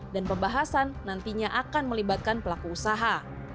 dan pembahasan nantinya akan melibatkan pelaku usaha